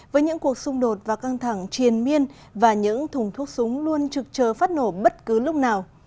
với những cuộc xung đột và căng thẳng triền miên và những thùng thuốc súng luôn trực chờ phát nổ bất cứ lúc nào